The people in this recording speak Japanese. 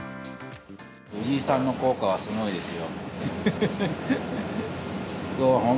藤井さんの効果はすごいですよ。